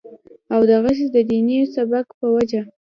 او دغسې د ديني سبق پۀ وجه